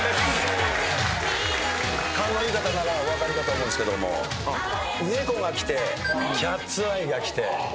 勘のいい方ならお分かりかと思うんですけども『猫』がきて『ＣＡＴ’ＳＥＹＥ』がきて。